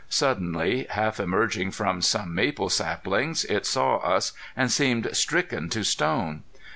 Suddenly, half emerging from some maple saplings, it saw us and seemed stricken to stone.